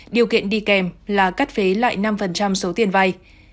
điều kiện đi kèm là cắt phế lại năm số tiền vay